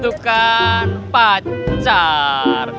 tuh kan pacar